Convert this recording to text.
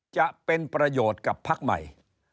จะเป็นประโยชน์กับพักใหม่